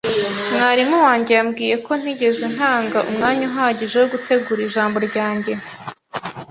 Mwarimu wanjye yambwiye ko ntigeze ntanga umwanya uhagije wo gutegura ijambo ryanjye.